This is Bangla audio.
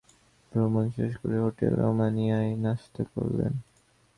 ভ্রমণ শেষ করে হোটেল রহমানিয়ায় নাশতা করলেন।